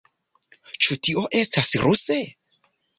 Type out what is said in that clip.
Ĉu tio estas ruse?